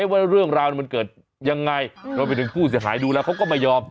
ว่าเรื่องราวมันเกิดยังไงรวมไปถึงผู้เสียหายดูแล้วเขาก็ไม่ยอม